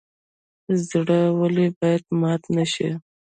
زړه ولې باید مات نشي؟